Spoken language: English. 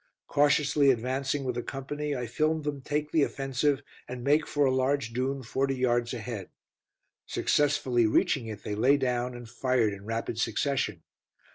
Cautiously advancing with a company, I filmed them take the offensive and make for a large dune forty yards ahead. Successfully reaching it they lay down and fired in rapid succession.